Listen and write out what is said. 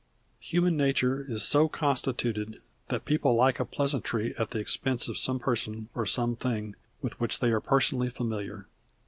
Human nature is so constituted that people like a pleasantry at the expense of some person or of some thing with which they are personally familiar.